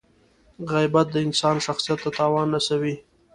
• غیبت د انسان شخصیت ته تاوان رسوي.